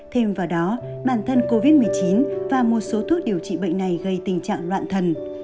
thêm vào đó bản thân covid một mươi chín và một số thuốc điều trị bệnh này gây tình trạng loạn thần